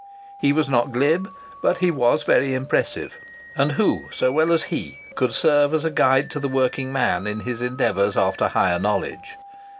He was not glib, but he was very impressive. And who, so well as he, could serve as a guide to the working man in his endeavours after higher knowledge?